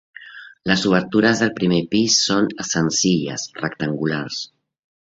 Les obertures del primer pis són senzilles, rectangulars.